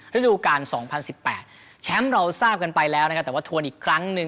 ฤดูการ๒๐๑๘แชมป์เราทราบกันไปแล้วนะครับแต่ว่าทวนอีกครั้งหนึ่ง